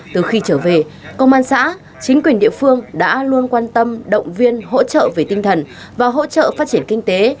từ khi trở về công an xã chính quyền địa phương đã luôn quan tâm động viên hỗ trợ về tinh thần và hỗ trợ phát triển kinh tế